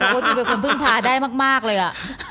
เพราะโอ๊ยเป็นคนเพิ่งพาได้มากเลยอ่ะ